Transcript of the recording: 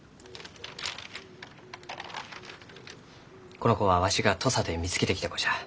この子はわしが土佐で見つけてきた子じゃ。